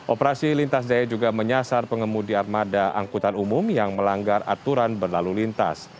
operasi lintas jaya juga menyasar pengemudi armada angkutan umum yang melanggar aturan berlalu lintas